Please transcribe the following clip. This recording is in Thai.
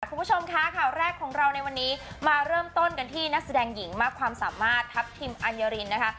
คุณผู้ชมคะข่าวแรกของเราในวันนี้มาเริ่มต้นกันที่นักแสดงหญิงมากความสามารถทัพทิมอัญญารินนะคะ